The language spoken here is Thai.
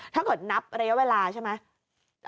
ถ้าเกิดนับระยะเวลาใช่ไหม